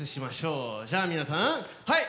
じゃあ皆さんはい！